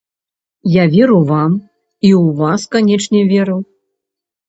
Я веру вам і ў вас, канечне, веру!